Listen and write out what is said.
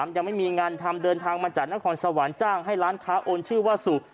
ยังไม่มีงานทำเดินทางมาจากนครสวรรค์จ้างให้ร้านค้าโอนชื่อว่าสุ